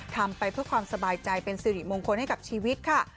ทำไปเพื่อความสบายใจเป็นสิริมงคลให้กับชีวิตค่ะ